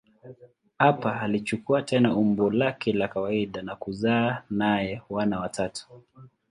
Hapa alichukua tena umbo lake la kawaida na kuzaa naye wana watatu.